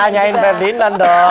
tanyain ferdinand dong